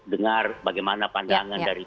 dengar bagaimana pandangan dari